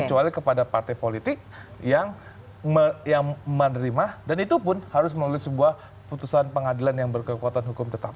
kecuali kepada partai politik yang menerima dan itu pun harus melalui sebuah putusan pengadilan yang berkekuatan hukum tetap